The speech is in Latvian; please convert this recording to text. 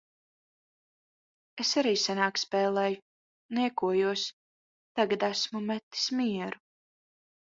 Es arī senāk spēlēju. Niekojos. Tagad esmu metis mieru.